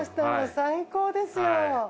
最高ですよ。